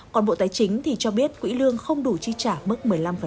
còn bộ tài chính thì cho biết quỹ lương không đủ chi trả mức một mươi năm